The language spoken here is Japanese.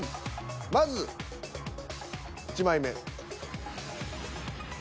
まず１枚目。